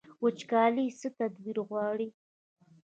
وچکالي څه تدبیر غواړي؟